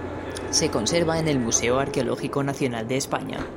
Se conserva en el Museo Arqueológico Nacional de España.